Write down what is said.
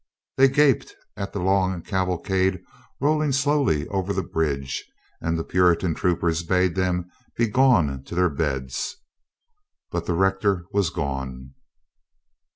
They gaped at the long caval cade rolling slowly over the bridge and the Puritan troopers bade them be gone to their beds. But the rector was gone.